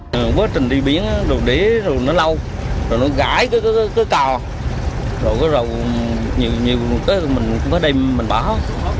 nó bớt trình đi biến đổ đế rồi nó lau rồi nó gãi cái cò rồi có nhiều cái mình phải đem mình bỏ